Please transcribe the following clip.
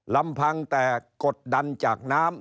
ลำพังแต่กดดันจากน้ำ